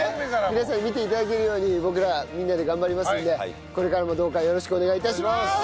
皆さんに見て頂けるように僕らみんなで頑張りますのでこれからもどうかよろしくお願い致します！